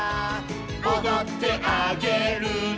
「おどってあげるね」